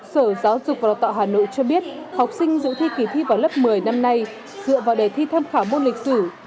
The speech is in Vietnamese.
sở giáo dục và đào tạo hà nội cho biết học sinh dự thi kỳ thi vào lớp một mươi năm nay dựa vào đề thi tham khảo môn lịch sử